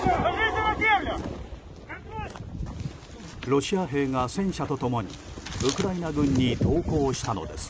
ロシア兵が戦車と共にウクライナ軍に投降したのです。